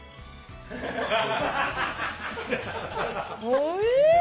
おいしい！